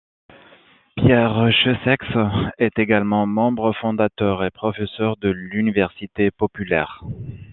Pierre Chessex est également membre fondateur et professeur de l'Université populaire.